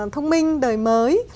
thông minh đời mới